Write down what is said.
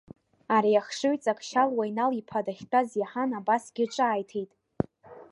Ари ахшыҩҵак Шалуа Инал-иԥа дахьтәаз иаҳан, абасгьы ҿааиҭит…